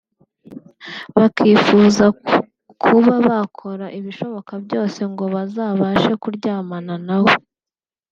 bakifuza kuba bakora ibishoboka byose ngo bazabashe kuryamana nawe